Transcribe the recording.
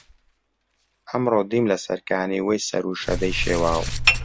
ئەمڕۆ دیم لەسەر کانی وەی سەر و شەدەی شێواوە